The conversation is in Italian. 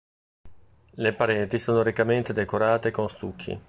Le pareti sono riccamente decorate con stucchi.